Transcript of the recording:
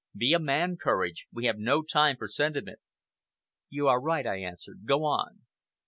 Be a man, Courage. We have no time for sentiment." "You are right," I answered. "Go on."